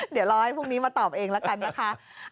เดี๋ยวรอให้พรุ่งนี้มาตอบเองแล้วกันนะคะ